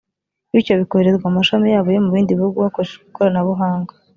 bityo bikoherezwa mu mashami yabo yo mu bindi bihugu hakoreshejwe ikoranabuhanga